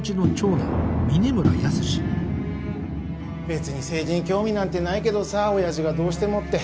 別に政治に興味なんてないけどさ親父がどうしてもって。